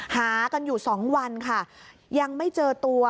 หากันอยู่สองวันค่ะยังไม่เจอตัว